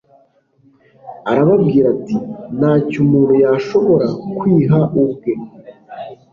Arababwira ati: “Ntacyo umuntu yashobora kwiha ubwe